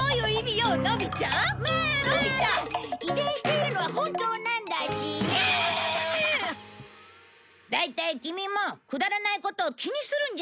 大体キミもくだらないことを気にするんじゃないよ。